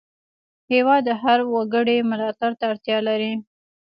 هېواد د هر وګړي ملاتړ ته اړتیا لري.